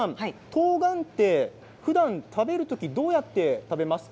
とうがんってふだん食べる時どうやって食べますか？